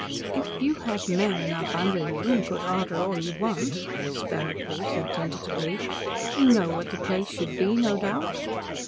"If you had men enough under you, and could order all you want," Miss Vanderpoel said tentatively, "you know what the place should be, no doubt."